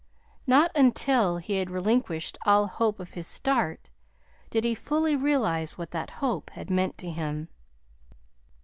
Not until he had relinquished all hope of his "start" did he fully realize what that hope had meant to him.